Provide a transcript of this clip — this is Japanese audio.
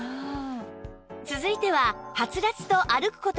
続いては